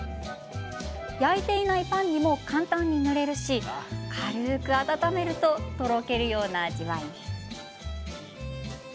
焼いていないパンにも簡単に塗れるので軽く温めると、とろけるような味わいに。